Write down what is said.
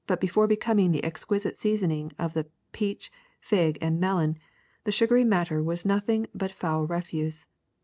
Before becoming the exquisite seasoning of the peach, fig, and melon, the sugary matter was nothing but foul refuse.